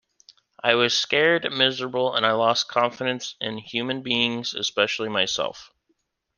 I was scared, miserable, and I lost confidence in human beings, especially myself.